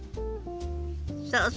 そうそう。